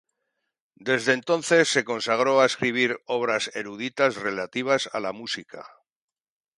Desde entonces, se consagró a escribir obras eruditas relativas a la música.